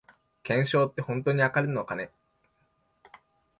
懸賞ってほんとに当たるのかね